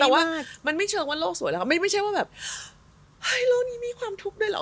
แต่ว่ามันไม่เชิงว่าโลกสวยแล้วค่ะไม่ใช่ว่าแบบเฮ้ยโลกนี้มีความทุกข์ด้วยเหรอ